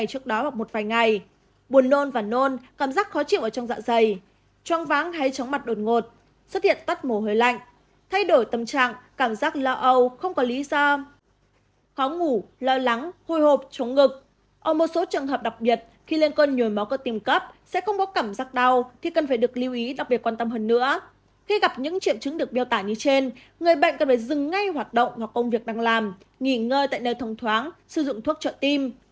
hoặc công việc đang làm nghỉ ngơi tại nơi thông thoáng sử dụng thuốc trợ tim